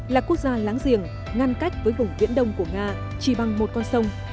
là quốc gia láng giềng ngăn cách với vùng viễn đông của nga chỉ bằng một con sông